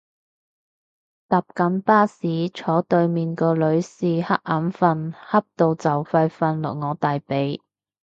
搭緊巴士，坐對面個女士恰眼瞓恰到就快瞓落我大髀